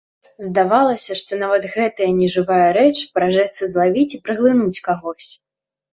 Здавалася, што нават гэтая нежывая рэч пражэцца злавіць і праглынуць кагось.